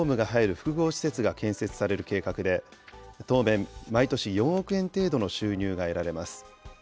複合施設が建設される計画で、当面、毎年４億円程度の収入が得られます。